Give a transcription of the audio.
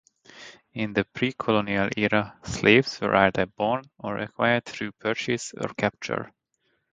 In the pre-colonial era, slaves were either born or acquired through purchase or capture.